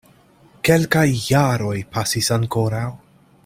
Kelkaj jaroj pasis ankoraŭ.